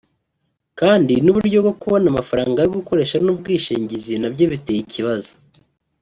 kandi n’uburyo bwo kubona amafaranga yo gukoresha n’ubwishingizi nabyo biteye ikibazo